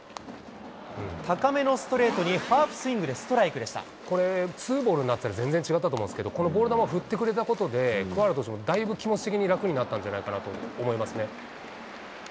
高めのストレートにハーフスインこれ、ツーボールになったら全然違ったと思うんですけど、このボール球を振ってくれたことで、鍬原投手もだいぶ気持ち的に楽になったんじゃないかなと思います